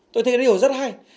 tôi thấy điều đó rất hay